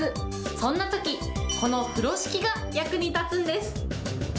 そんなとき、この風呂敷が役に立つんです。